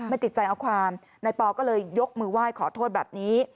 ติดใจเอาความนายปอก็เลยยกมือไหว้ขอโทษแบบนี้